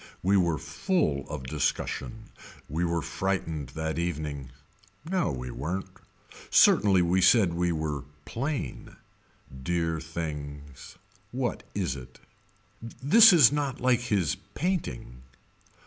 We were full of discussion. We were frightened that evening. No we weren't. Certainly we said we were plain. Dear things. What is it. This is not like his painting.